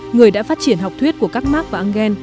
người đã phát triển học thuyết của các mark và engel